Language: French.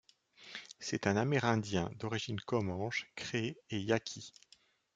C'est un Amérindien, d'origines comanche, cree et yaqui.